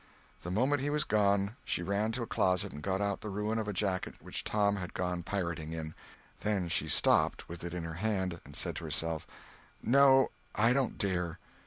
The moment he was gone, she ran to a closet and got out the ruin of a jacket which Tom had gone pirating in. Then she stopped, with it in her hand, and said to herself: "No, I don't dare.